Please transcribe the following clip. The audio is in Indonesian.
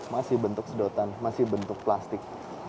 masih bentuk sedotan masih bentuk plastik